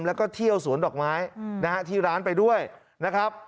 แล้วก็เที่ยวสวนดอกไม้นะฮะที่ร้านไปด้วยนะครับ